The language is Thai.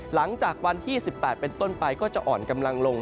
หลังจากวันที่๑๘เป็นต้นไปก็จะอ่อนกำลังลง